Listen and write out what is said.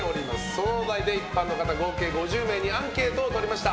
そのお題で一般の方合計５０名にアンケートを取りました。